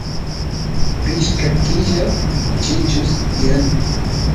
pishka killas chichus tiyani